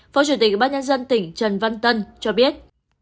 phó chủ tịch ubnd tỉnh trần văn tân cho biết